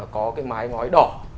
có cái mái ngói đỏ